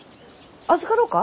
預かろうか？